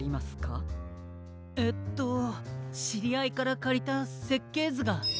えっとしりあいからかりたせっけいずが。